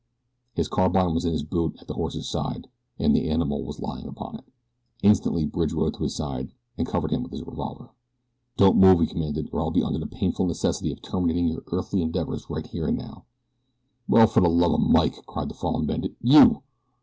His carbine was in its boot at the horse's side, and the animal was lying upon it. Instantly Bridge rode to his side and covered him with his revolver. "Don't move," he commanded, "or I'll be under the painful necessity of terminating your earthly endeavors right here and now." "Well, for the love o' Mike!" cried the fallen bandit. "You?"